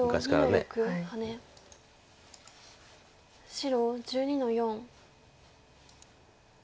白１２の四。